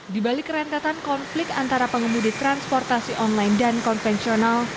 di balik rentetan konflik antara pengemudi transportasi online dan konvensional